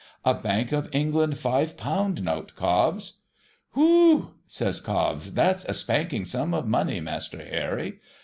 ' A Bank of England five pound note, Cobbs^ ' Whew !' says Cobbs, ' that's a spanking sum of money, Master Harry.'